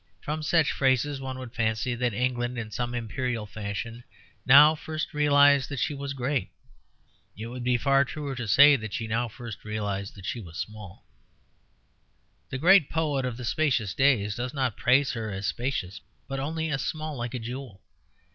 From such phrases one would fancy that England, in some imperial fashion, now first realized that she was great. It would be far truer to say that she now first realized that she was small. The great poet of the spacious days does not praise her as spacious, but only as small, like a jewel.